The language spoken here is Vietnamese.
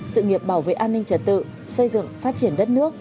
sự nghiệp bảo vệ an ninh trật tự xây dựng phát triển đất nước